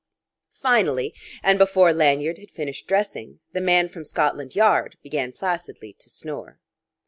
Finally, and before Lanyard had finished dressing, the man from Scotland Yard began placidly to snore.